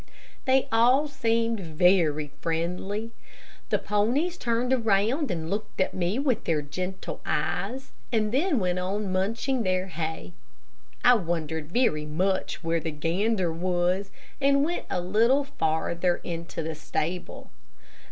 They all seemed very friendly. The ponies turned around and looked at me with their gentle eyes, and then went on munching their hay. I wondered very much where the gander was, and went a little farther into the stable.